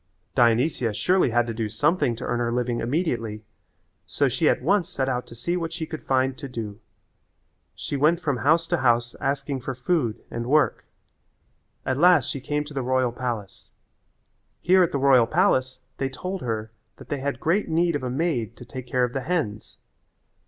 Dionysia surely had to do something to earn her living immediately, so she at once set out to see what she could find to do. She went from house to house asking for food and work. At last she came to the royal palace. Here at the royal palace they told her that they had great need of a maid to take care of the hens.